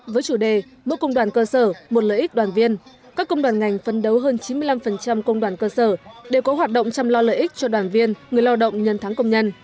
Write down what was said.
với chủ đề mỗi công đoàn cơ sở một lợi ích đoàn viên các công đoàn ngành phân đấu hơn chín mươi năm công đoàn cơ sở đều có hoạt động chăm lo lợi ích cho đoàn viên người lao động nhân tháng công nhân